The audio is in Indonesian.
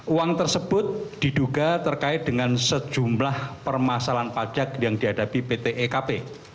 uang tersebut diduga terkait dengan sejumlah permasalahan pajak yang dihadapi pt ekp